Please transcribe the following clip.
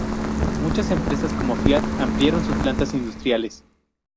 Muchas empresas como Fiat ampliaron sus plantas industriales.